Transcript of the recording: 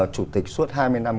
chủ tịch suốt hai mươi năm